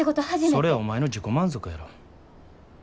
それはお前の自己満足やろ。